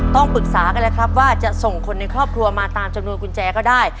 ต้องปรึกษากันแล้วครับว่าจะส่งคนในครอบครัวมาตามจำนวนกุญแจก็ได้